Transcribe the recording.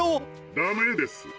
☎ダメです。